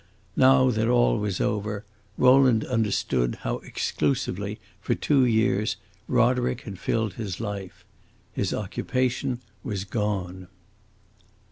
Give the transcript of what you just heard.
Now that all was over, Rowland understood how exclusively, for two years, Roderick had filled his life. His occupation was gone.